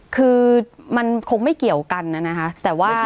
คือมันคงไม่เกี่ยวกันนะนะคะแต่ว่า